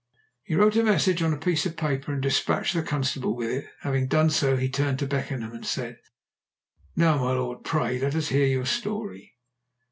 He wrote a message on a piece of paper and despatched the constable with it. Having done so he turned to Beckenham and said "Now, my lord, pray let us hear your story."